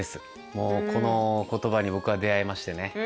もうこの言葉に僕は出会いましてね。